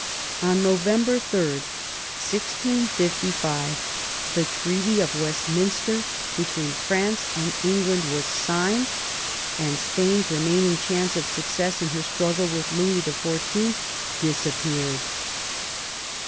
On November 3, 1655, the Treaty of Westminster between France and England was signed, and Spain's remaining chance of success in her struggle with Louis XIV. disappeared.